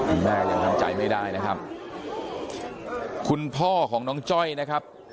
แม่ยังทำใจไม่ได้นะครับคุณพ่อของน้องจ้อยนะครับ